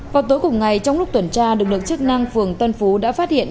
vào tối cùng ngày trong lúc tuần tra lực lượng chức năng phường tân phú đã phát hiện